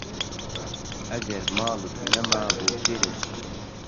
ئەگەر ماڵت نەما بۆ کوێ دەچیت؟